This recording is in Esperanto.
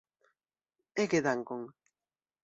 Ege dankon!